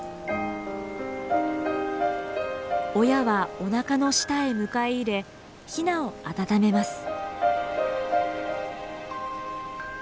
親はおなかの下へ迎え入れヒナを温めます。